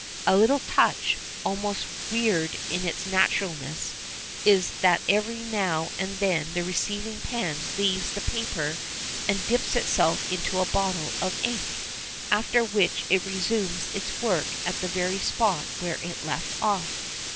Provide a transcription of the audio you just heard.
A little touch, almost weird in its naturalness, is that every now and then the receiving pen leaves the paper and dips itself into a bottle of ink, after which it resumes its work at the very spot where it left off.